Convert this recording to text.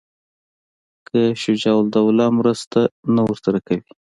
که شجاع الدوله مرسته نه ورسره کوي.